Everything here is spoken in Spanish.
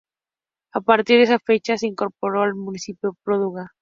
A partir de esa fecha se incorporó al municipio Madruga.